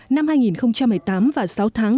năm hai nghìn một mươi tám và sáu tháng